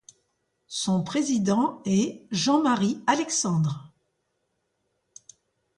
Son président est Jean-Marie Alexandre.